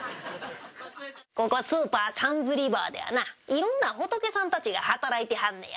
ここスーパーサンズ・リバーではな、いろんな仏さんたちが働いてはんのや。